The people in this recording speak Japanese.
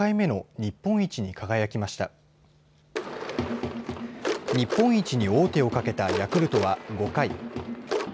日本一に王手をかけたヤクルトは、５回。